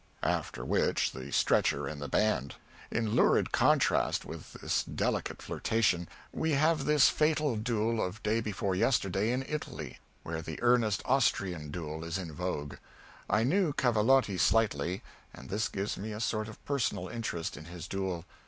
After which, the stretcher and the band. In lurid contrast with this delicate flirtation, we have this fatal duel of day before yesterday in Italy, where the earnest Austrian duel is in vogue. I knew Cavalotti slightly, and this gives me a sort of personal interest in his duel.